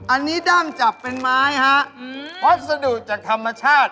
อันนี้ราคาถูกที่สุด